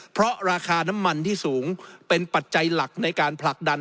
เพราะราคาน้ำมันที่สูงเป็นปัจจัยหลักในการผลักดัน